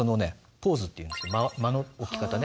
ポーズっていう間の置き方ね。